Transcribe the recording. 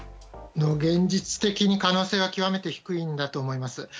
現実的に可能性は極めて低いんだと思います。